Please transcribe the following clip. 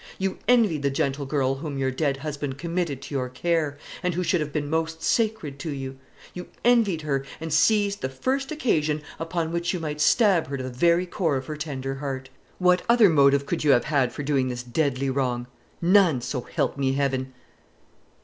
You envied the gentle girl whom your dead husband committed to your care, and who should have been most sacred to you. You envied her, and seized the first occasion upon which you might stab her to the very core of her tender heart. What other motive could you have had for doing this deadly wrong? None, so help me Heaven!"